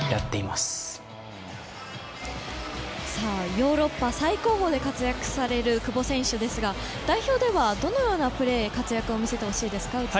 ヨーロッパ最高峰で活躍される久保選手ですが、代表ではどのようなプレーや活躍を見せてほしいですか？